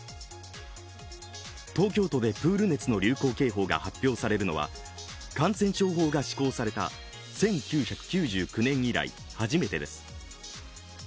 東京都でプール熱の流行警報が発表されるのは感染症法が施行された１９９９年以来初めてです。